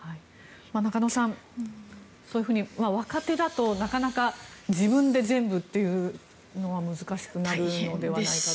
中野さん、そういうふうに若手だとなかなか自分で全部というのは難しくなるのではないかと。